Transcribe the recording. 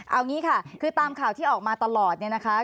เอางี้ค่ะคือตามข่าวที่ออกมาตลอดเนี่ยนะคะ